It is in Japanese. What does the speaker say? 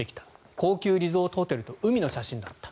高級リゾートホテルと海の写真だった。